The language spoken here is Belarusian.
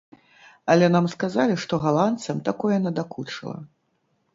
Але нам сказалі, што галандцам такое надакучыла.